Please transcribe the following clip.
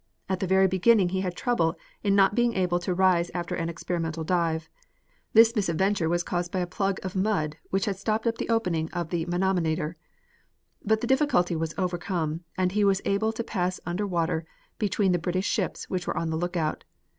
At the very beginning he had trouble in not being able to rise after an experimental dive. This misadventure was caused by a plug of mud which had stopped up the opening of the manometer. But the difficulty was overcome, and he was able to pass under water between the British ships which were on the lookout.